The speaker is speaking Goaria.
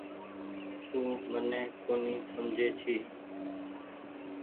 تو مني ڪونيٚ سمجھي ڇي۔